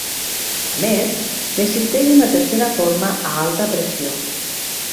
A més, n'existeix una tercera forma a alta pressió.